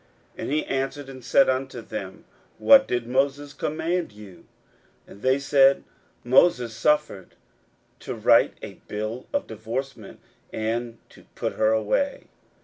41:010:003 And he answered and said unto them, What did Moses command you? 41:010:004 And they said, Moses suffered to write a bill of divorcement, and to put her away.